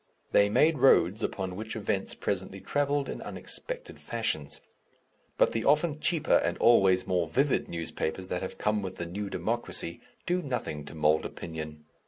They made roads upon which events presently travelled in unexpected fashions. But the often cheaper and always more vivid newspapers that have come with the New Democracy do nothing to mould opinion.